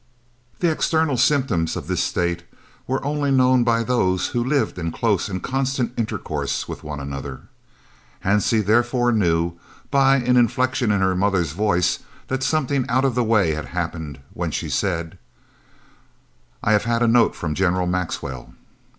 The external symptoms of this state were only known by those who lived in close and constant intercourse with one another. Hansie therefore knew, by an inflection in her mother's voice, that something out of the way had happened when she said: "I have had a note from General Maxwell."